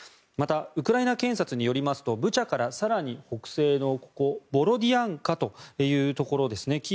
またウクライナ検察によりますとブチャから更に北西のここ、ボロディアンカというところですね。